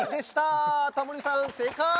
タモリさん正解！